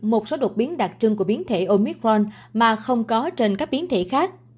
một số đột biến đặc trưng của biến thể omitron mà không có trên các biến thể khác